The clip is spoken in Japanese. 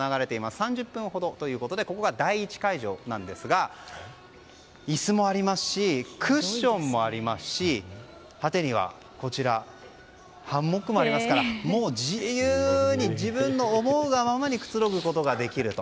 ３０分ほどということでここが第１会場なんですが椅子もありますしクッションもありますし果てには、こちらハンモックもありますからもう自由に自分の思うがままにくつろぐことができると。